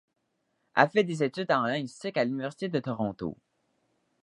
Elle fait des études en linguistique à l'université de Toronto.